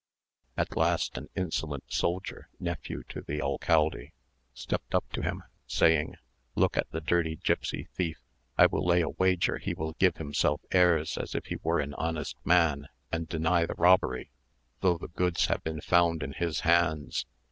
At last, an insolent soldier, nephew to the alcalde, stepped up to him, saying "Look at the dirty gipsy thief! I will lay a wager he will give himself airs as if he were an honest man, and deny the robbery, though the goods have been found in his hands.